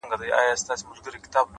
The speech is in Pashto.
څه مسافره یمه خير دی ته مي ياد يې خو؛